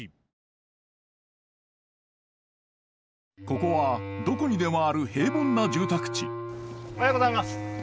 ここはどこにでもある平凡な住宅地おはようございます。